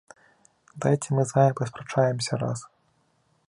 Дайце мы з вамі паспрачаемся раз.